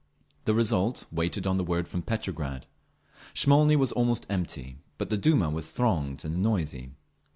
The result waited on the word from Petrograd…. Smolny was almost empty, but the Duma was thronged and noisy.